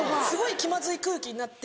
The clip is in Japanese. すごい気まずい空気に。